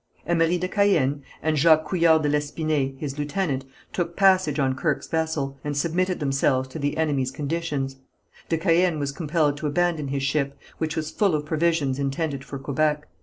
Emery de Caën, and Jacques Couillard de l'Espinay, his lieutenant, took passage on Kirke's vessel, and submitted themselves to the enemy's conditions. De Caën was compelled to abandon his ship, which was full of provisions intended for Quebec.